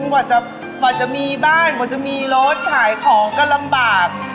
กว่าจะมีบ้านกว่าจะมีรถขายของก็ลำบาก